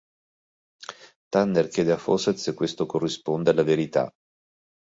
Tanner chiede a Fawcett se questo corrisponde alla verità.